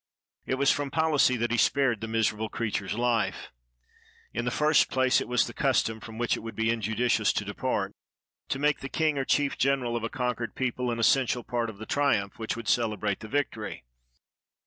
It was from policy that he spared the miserable creature's life. In the first place, it was the custom, from which it would be injudicious to depart, to make the king or chief general of a conquered people an essential part of the triumph which would celebrate the victory.